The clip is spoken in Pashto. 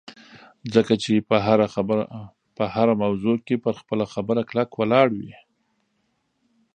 ځکه چې په هره موضوع کې پر خپله خبره کلک ولاړ وي